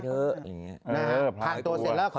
ใช่ค่ะ